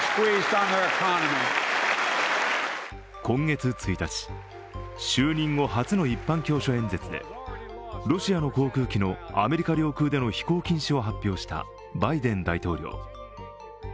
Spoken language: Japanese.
今月１日、就任後初の一般教書演説でロシアの航空機のアメリカ領空での飛行禁止を発表したバイデン大統領。